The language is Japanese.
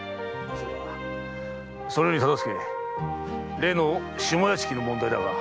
それより忠相例の下屋敷の問題だが。